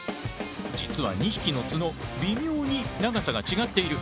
実は２匹の角微妙に長さが違っている。